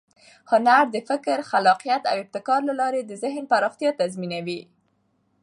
هنر د فکر، خلاقیت او ابتکار له لارې د ذهن پراختیا تضمینوي.